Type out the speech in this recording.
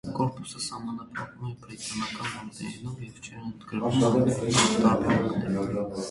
Կորպուսը սահմանափակվում էր բրիտանական անգլերենով և չէր ընդգրկում անգլերենի այլ տարբերակները։